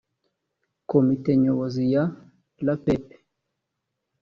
komite nyobozi ya rapep